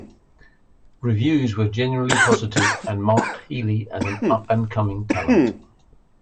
Reviews were generally positive and marked Healy as an up-and-coming talent.